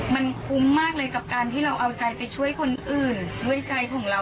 มันคุ้มมากเลยกับการที่เราเอาใจไปช่วยคนอื่นด้วยใจของเรา